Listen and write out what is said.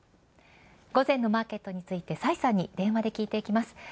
午前のマーケットについて、崔さんに電話できいていきます。